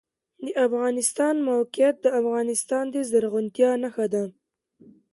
د افغانستان موقعیت د افغانستان د زرغونتیا نښه ده.